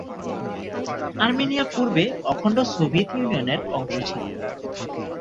Armenia পূর্বে অখণ্ড Soviet Union এর অংশ ছিল।